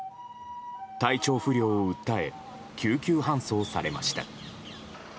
体調不良を訴え救急搬送されました。